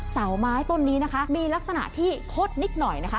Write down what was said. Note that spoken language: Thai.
เสาไม้ต้นนี้นะคะมีลักษณะที่คดนิดหน่อยนะคะ